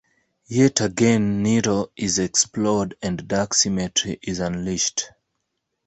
Yet again Nero is explored and Dark Symmetry is unleashed.